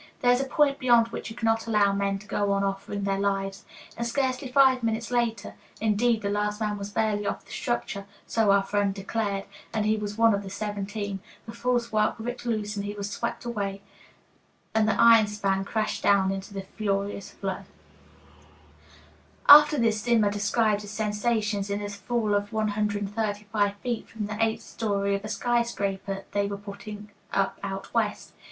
There is a point beyond which you cannot allow men to go on offering their lives. And scarcely five minutes later indeed, the last man was barely off the structure, so our friend declared, and he was one of the seventeen the false work ripped loose and was swept away, and the iron span crashed down into the furious flood. After this Zimmer described his sensations in a fall of one hundred and thirty five feet from the eighth story of a skyscraper they were putting up out West.